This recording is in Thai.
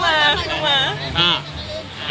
เพิ่งมา